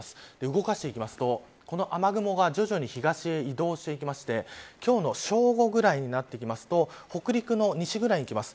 動かしてみますと雨雲が徐々に東へ移動しまして今日の正午ぐらいになりますと北陸の西ぐらいにきます。